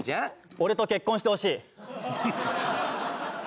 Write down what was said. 俺と結婚してほしい。